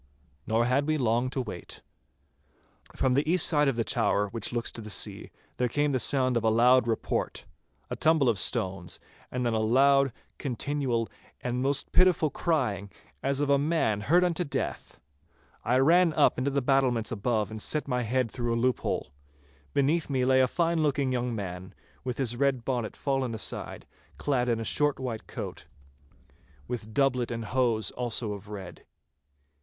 Nor had we long to wait. From the east side of the tower which looks to the sea, there came the sound of a loud report, a tumble of stones, and then a loud, continual, and most pitiful crying, as of a man hurt unto death. I ran up into the battlements above and set my head through a loophole. Beneath me lay a fine looking young man, with his red bonnet fallen aside, clad in a short white coat, with doublet and hose also of red.